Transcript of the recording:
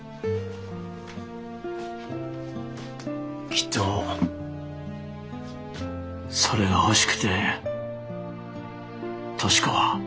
きっとそれが欲しくて十志子は。